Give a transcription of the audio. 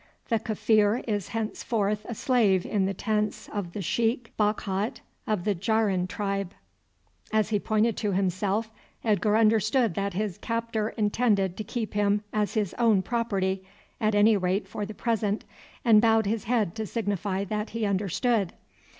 "The Kaffir is henceforth a slave in the tents of the Sheik Bakhat of the Jahrin tribe." As he pointed to himself, Edgar understood that his captor intended to keep him as his own property, at any rate for the present, and bowed his head to signify that he understood.